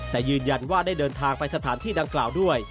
แต่ยืนยันว่าได้เดินทางไปสถานที่ดังกล่าวด้วย